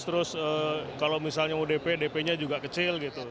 terus kalau misalnya mau dp dp nya juga kecil gitu